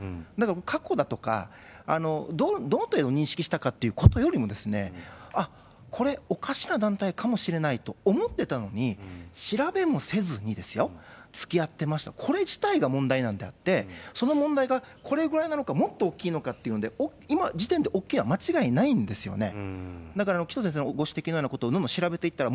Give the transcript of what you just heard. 過去だとか、どの程度認識したかということよりも、あっ、これおかしな団体かもしれないと思ってたのに、調べもせずにつきあってました、これ自体が問題なんであって、その問題が、これぐらいなのか、もっと大きいのかっていうんで、今の時点で大きいのは間違いないんですよね。